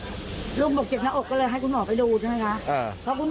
เพราะคุณหมอไปเนี่ยทางนู้นเขาไล่หมดเลย